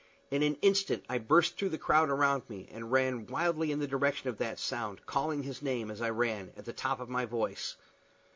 In an instant I burst through the crowd around me, and ran wildly in the direction of that sound, calling his name, as I ran, at the top of my voice.